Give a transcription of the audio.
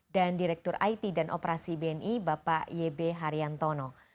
dan direktur it dan operasi bni bapak iebe haryantono